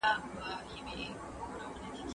که خاوند اولاد ولري، ښځه اتمه برخه لري.